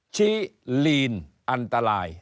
ชี้ลีนอันตราย